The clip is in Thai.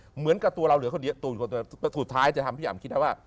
เหมือนกับตัวเราเหลือคนเดียวตัวสุดท้ายจะทำพี่อำคิดได้ว่า